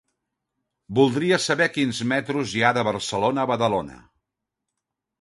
Voldria saber quins metros hi ha de Barcelona a Badalona.